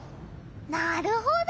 なるほど！